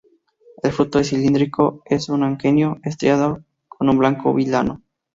El fruto es cilíndrico, es un aquenio estriado con un blanco vilano.